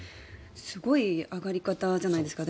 すごい上がり方じゃないですか。